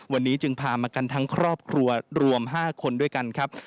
วันนี้จึงพามากันทั้งครอบครัวรวม๕คนด้วยกันครับ